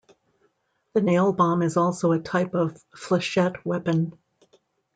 The nail bomb is also a type of flechette weapon.